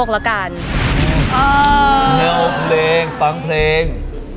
ช่างข้างไปฟังเพลง